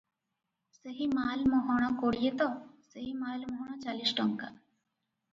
ସେହି ମାଲ ମହଣ କୋଡ଼ିଏ ତ 'ସେହି ମାଲ ମହଣ ଚାଳିଶ ଟଙ୍କା ।